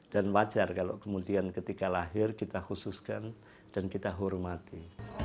dan wajar kalau kemudian ketika lahir kita khususkan dan kita hormati